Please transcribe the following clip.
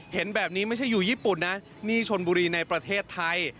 เห็นแบบนี้ไม่ใช่อยู่ญี่ปุ่นนะนี่ชนบุรีในประเทศไทย